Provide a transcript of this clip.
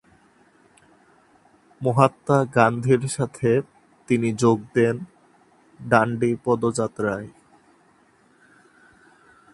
মহাত্মা গান্ধীর সঙ্গে তিনি যোগ দেন ডান্ডি পদযাত্রায়।